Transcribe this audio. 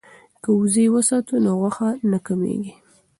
که وزې وساتو نو غوښه نه کمیږي.